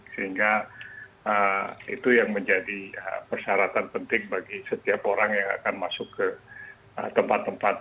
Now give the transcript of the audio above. sehingga itu yang menjadi persyaratan penting bagi setiap orang yang akan masuk ke tempat tempat